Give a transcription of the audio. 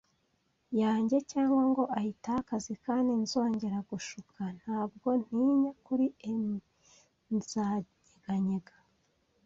yanjye, cyangwa ngo ayitakaze; kandi nzongera gushuka. Ntabwo ntinya kuri 'em. Nzanyeganyega